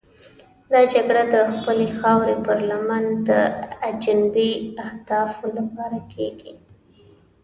دا جګړه د خپلې خاورې پر لمن د اجنبي اهدافو لپاره کېږي.